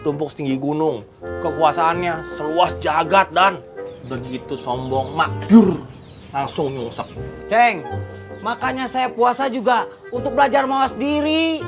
makanya saya puasa juga untuk belajar mawas diri